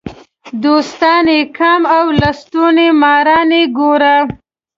دوستان یې کم او لستوڼي ماران ګوري.